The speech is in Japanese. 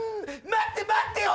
待って待ってよ！